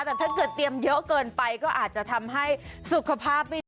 แต่ถ้าเกิดเตรียมเยอะเกินไปก็อาจจะทำให้สุขภาพไม่ดี